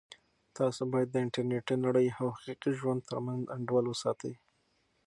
تاسو باید د انټرنیټي نړۍ او حقیقي ژوند ترمنځ انډول وساتئ.